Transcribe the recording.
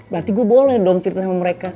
berarti gue boleh dong cerita sama mereka